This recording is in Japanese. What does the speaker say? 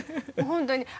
本当に。